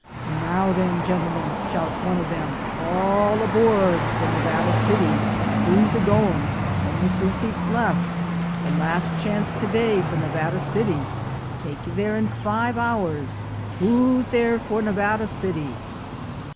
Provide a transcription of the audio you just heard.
"Now then, gentlemen," shouts one of them, "all aboard for Nevada City. Who's agoin'? only three seats left — the last chance to day for Ne vada City — take you there in five hours. Who's there for Nevada City?"